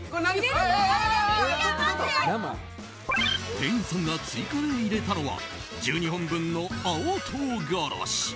店員さんが追加で入れたのは１２本分の青唐辛子。